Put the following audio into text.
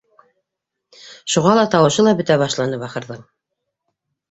Шуға ла тауышы ла бөтә башланы, бахырҙың.